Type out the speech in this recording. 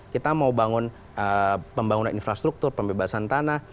kita mau bangun pembangunan infrastruktur pembebasan tanah